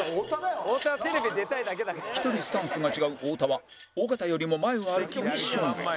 １人スタンスが違う太田は尾形よりも前を歩きミッションへ